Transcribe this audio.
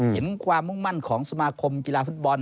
เห็นความมุ่งมั่นของสมาคมกีฬาฟุตบอล